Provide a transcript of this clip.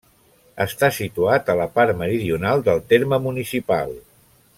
Està situat a la part meridional del terme municipal.